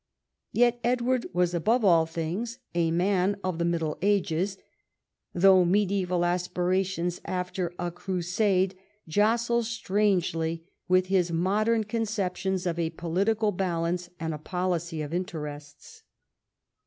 Yet Edward was above all others a man of the Middle Ages, though mediaeval aspirations after a Crusade jostle strangely with his modern conceptions of a political balance and a policy of interests.